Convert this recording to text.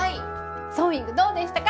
ソーイングどうでしたか？